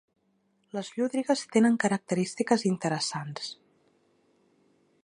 Les llúdrigues tenen característiques interessants.